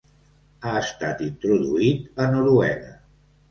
Ha estat introduït a Noruega.